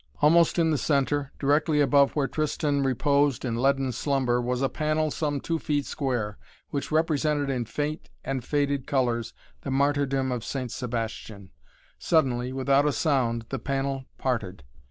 Almost in the centre, directly above where Tristan reposed in leaden slumber, was a panel some two feet square, which represented in faint and faded colors the martyrdom of St. Sebastian. Suddenly, without a sound, the panel parted.